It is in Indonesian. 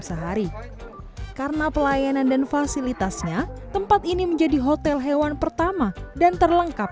sehari karena pelayanan dan fasilitasnya tempat ini menjadi hotel hewan pertama dan terlengkap